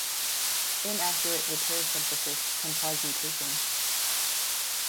Inaccurate repair synthesis can cause mutation.